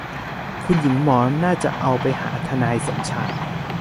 คุณหญิงหมอน่าจะเอาไปหาทนายสมชาย